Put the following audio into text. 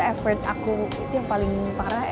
effort aku itu yang paling parah